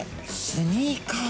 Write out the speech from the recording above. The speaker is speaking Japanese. スニーカー？